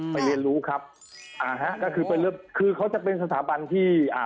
เรียนรู้ครับอ่าฮะก็คือไปเริ่มคือเขาจะเป็นสถาบันที่อ่า